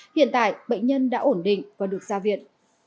hiện tại bệnh nhân đã ổn định và được ra viện